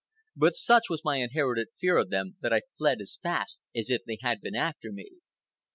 But such was my inherited fear of them that I fled as fast as if they had been after me.